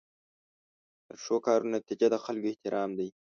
د ښو کارونو نتیجه د خلکو احترام دی.